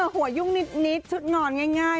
หัวยุ่งนิดทุกข์ขนรอยง่าย